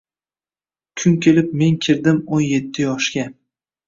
Kun kelib men kirdim o’n yetti yoshga.